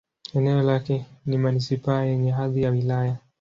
Eneo lake ni manisipaa yenye hadhi ya wilaya.